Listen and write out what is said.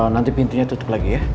nanti pintunya tutup lagi ya